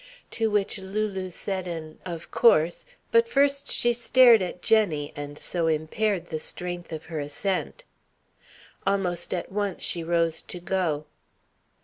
To which Lulu said an "of course," but first she stared at Jenny and so impaired the strength of her assent. Almost at once she rose to go.